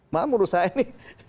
maka menurut saya ini